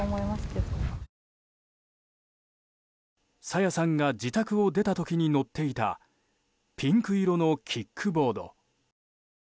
朝芽さんが自宅を出た時に乗っていたピンク色のキックボード。